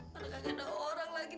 mana aja nalonya si elah nih